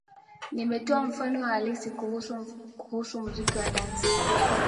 Nimetoa mfano wa hali halisi kwa ufupi kuhusu muziki wa dansi